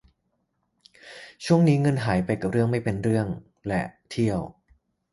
ช่วงนี้เงินหายไปกับเรื่องไม่เป็นเรื่องและเที่ยว